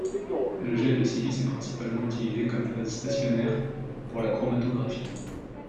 Le gel de silice est principalement utilisé comme phase stationnaire pour la chromatographie.